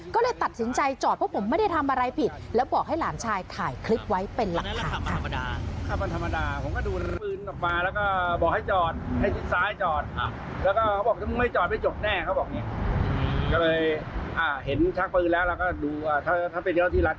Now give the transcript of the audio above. ก็เลยตัดสินใจจอดเพราะผมไม่ได้ทำอะไรผิดแล้วบอกให้หลานชายถ่ายคลิปไว้เป็นหลักฐาน